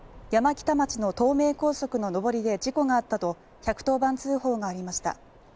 山北町の東名高速の上りで事故があったと１１０番通報がありました。